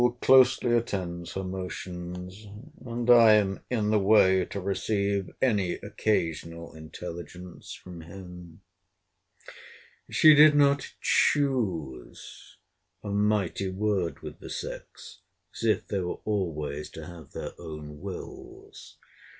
closely attends her motions; and I am in the way to receive any occasional intelligence from him. She did not choose, [a mighty word with the sex! as if they were always to have their own wills!